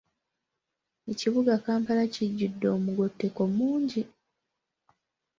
Ekibuga Kampala kijjudde omugotteko mungi.